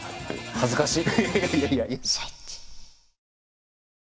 恥ずかしい！